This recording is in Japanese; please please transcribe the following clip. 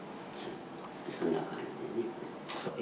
そんな感じでね。